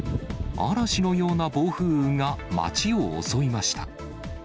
嵐のような暴風雨が街を襲いました。